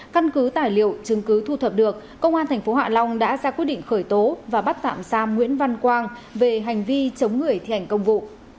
căn cứ tài liệu chứng cứ thu thập được công an tp hạ long đã ra quyết định khởi tố và bắt tạm giam nguyễn văn quang về hành vi chống người thi hành công vụ